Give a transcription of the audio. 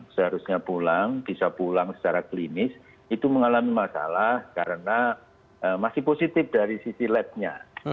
seharusnya pulang bisa pulang secara klinis itu mengalami masalah karena masih positif dari sisi labnya